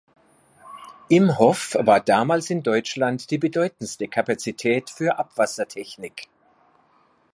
Imhoff war damals in Deutschland die bedeutendste Kapazität für Abwassertechnik.